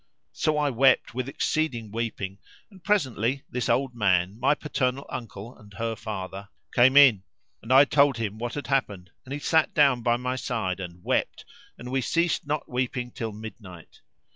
So I wept with exceeding weeping and presently this old man, my paternal uncle and her father, came in; and I told him what had happened and he sat down by my side and wept and we ceased not weeping till midnight.